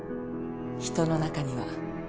人の中には